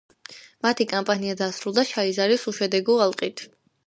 მათი კამპანია დასრულდა შაიზარის უშედეგო ალყით.